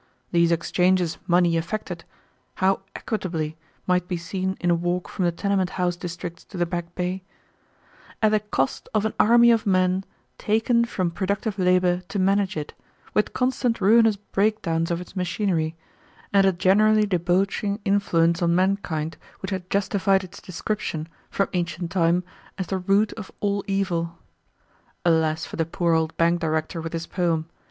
These exchanges money effected how equitably, might be seen in a walk from the tenement house districts to the Back Bay at the cost of an army of men taken from productive labor to manage it, with constant ruinous breakdowns of its machinery, and a generally debauching influence on mankind which had justified its description, from ancient time, as the "root of all evil." Alas for the poor old bank director with his poem!